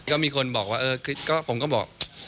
ก็มีคนบอกว่าผมก็บอก